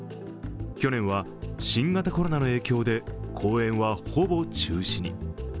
去年は新型コロナの影響で公演はほぼ中止に。